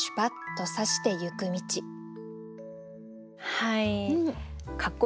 はい。